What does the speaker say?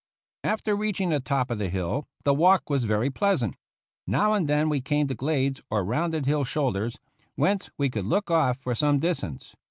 After reaching the top of the hill the walk was very pleasant. Now and then we came to glades or rounded hill shoulders, whence we could look off for some distance.